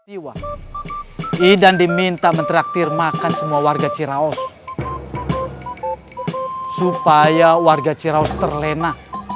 iwan idan diminta mentraktir makan semua warga ciraos supaya warga ciraos terlena